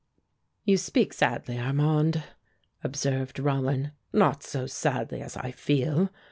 "You speak sadly, Armand," observed Rollin. "Not so sadly as I feel.